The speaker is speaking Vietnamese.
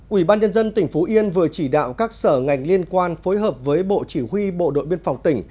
ủy ban nhân dân tỉnh phú yên vừa chỉ đạo các sở ngành liên quan phối hợp với bộ chỉ huy bộ đội biên phòng tỉnh